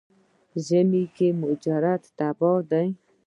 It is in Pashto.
ژمي کې مجرد تبا دی.